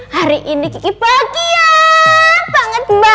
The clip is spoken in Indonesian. hari ini bahagia banget mbak